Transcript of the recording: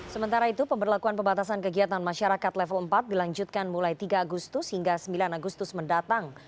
sementara itu pemberlakuan pembatasan kegiatan masyarakat level empat dilanjutkan mulai tiga agustus hingga sembilan agustus mendatang